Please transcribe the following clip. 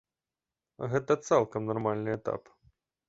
Гэта цалкам нармальны этап.